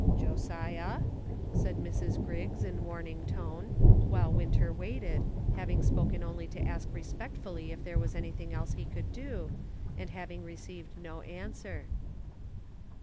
"Josiah,*' said Mrs. Griggs, in warning tone, while Winter waited, having spoken only to ask respectfully if there was anything else he could do, and having received no answer.